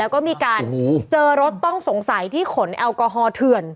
แล้วก็มีการเจอรถต้องสงสัยที่ขนแอลกอฮอลเถื่อน